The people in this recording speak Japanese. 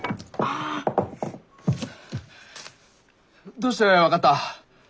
どうして分かった？